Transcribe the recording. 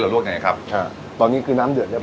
เราลวกไงครับใช่ตอนนี้คือน้ำเดือดเรียบร้อย